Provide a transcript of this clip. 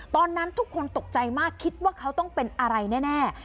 ตอนนั้นทุกคนตกใจมากคิดว่าเขาต้องเป็นอะไรแน่